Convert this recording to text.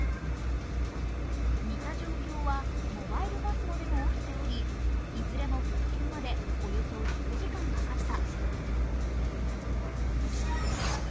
似た状況はモバイルＰＡＳＭＯでも起きており、いずれも復旧までおよそ１０時間かかった。